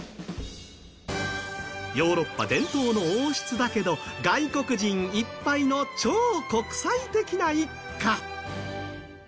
ヨーロッパ伝統の王室だけど外国人いっぱいの超国際的な一家。